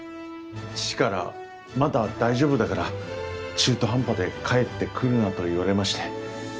父から「まだ大丈夫だから中途半端で帰ってくるな」と言われまして。